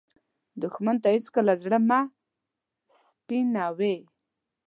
دښمن ته هېڅکله زړه مه سپينوې